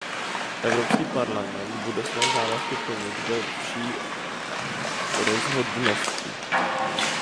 Evropský parlament bude své závazky plnit se vší rozhodností.